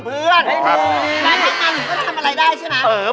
พ่อจะทำอะไรได้ใช่ไหม